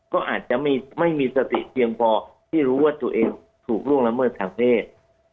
ก็อาจจะไม่มีสติเพียงพอที่รู้ว่าตัวเองถูกล่วงละเมิดทางเพศ